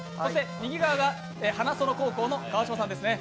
右が花園高校、川島さんです。